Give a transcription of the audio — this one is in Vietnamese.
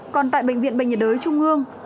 còn tại bệnh viện bệnh nhiệt đới trung ương